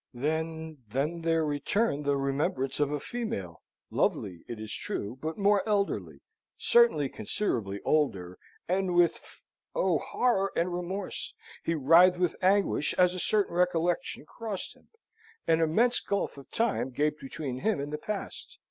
Then, then, there returned the remembrance of a female lovely, it is true, but more elderly certainly considerably older and with f . Oh, horror and remorse! He writhed with anguish, as a certain recollection crossed him. An immense gulf of time gaped between him and the past.